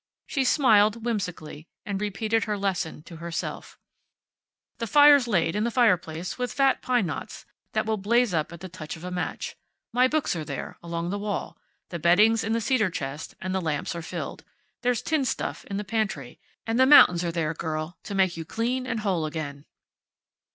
She smiled, whimsically, and repeated her lesson to herself: "The fire's laid in the fireplace with fat pine knots that will blaze up at the touch of a match. My books are there, along the wall. The bedding's in the cedar chest, and the lamps are filled. There's tinned stuff in the pantry. And the mountains are there, girl, to make you clean and whole again...."